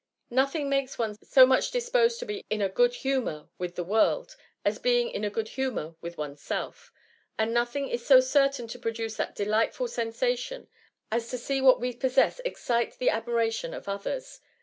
Nothing makes one so much disposed to be in a good humour with the world, as being in a good humour with oneself; and nothing is so certain to produce that delightful sensation, as to see what we possess excite the admiration of others.